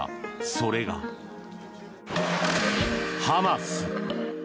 それが、ハマス。